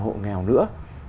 hộ nghèo nữa